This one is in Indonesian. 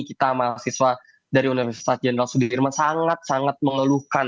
kita mahasiswa dari universitas jenderal sudirman sangat sangat mengeluhkan